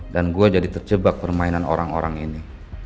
dan gue jadi terjebak permainan orang orang ini